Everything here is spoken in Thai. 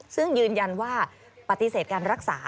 ซึ่งยืนยันว่าปฏิเสธการรักษา